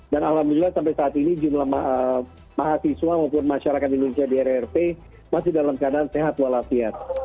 dan alhamdulillah sampai saat ini jumlah mahasiswa maupun masyarakat indonesia di rrt masih dalam keadaan sehat walafiat